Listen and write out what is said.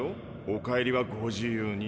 お帰りはご自由に。